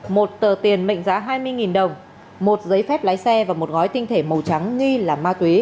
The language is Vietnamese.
một tờ tiền mệnh giá hai mươi đồng một giấy phép lái xe và một gói tinh thể màu trắng nghi là ma túy